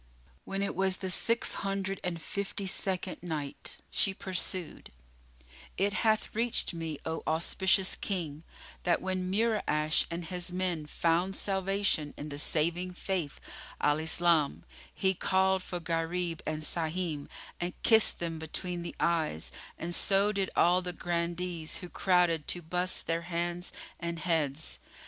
When it was the Six Hundred and Fifth second Night, She pursued, It hath reached me, O auspicious King, that when Mura'ash and his men found salvation in the Saving Faith, Al Islam, he called for Gharib and Sahim and kissed them between the eyes and so did all the Grandees who crowded to buss their hands and heads.